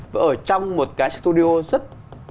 cứ ở trong một cái studio rất